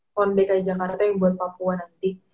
pon dki jakarta yang buat papua nanti